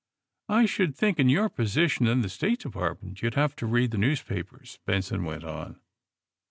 I should think, in your position in the State Department, you'd have to read the news papers," Benson went on.